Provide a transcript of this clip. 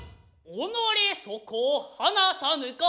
己そこを放さぬか。